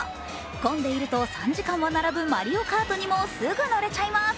混んでいると３時間は並ぶマリオカートにもすぐ乗れちゃいます。